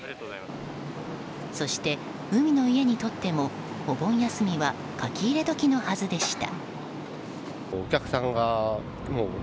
そして、海の家にとってもお盆休みは書き入れ時のはずでした。